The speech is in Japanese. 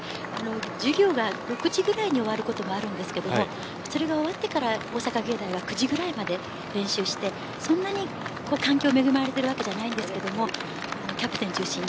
授業が６時ぐらいに終わることがあるんですがそれが終わってから大阪芸大は９時ぐらいまで練習してそんなに環境に恵まれているわけじゃありませんがキャプテン中心に。